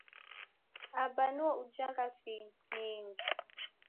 Aba nuo ujagha finyingi.